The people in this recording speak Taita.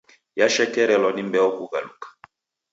Yashekerelwa ni mbeo kughaluka.